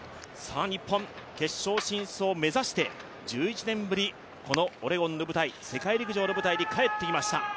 日本、決勝進出を目指して１１年ぶり、このオレゴンの舞台世界陸上の舞台に帰ってきました。